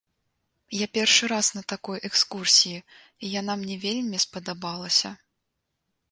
Я першы раз на такой экскурсіі, і яна мне вельмі спадабалася.